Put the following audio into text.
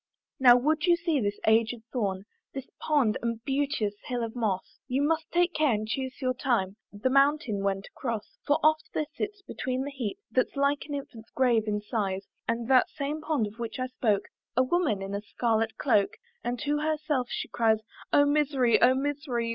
Now would you see this aged thorn, This pond and beauteous hill of moss, You must take care and chuse your time The mountain when to cross. For oft there sits, between the heap That's like an infant's grave in size, And that same pond of which I spoke, A woman in a scarlet cloak, And to herself she cries, "Oh misery! oh misery!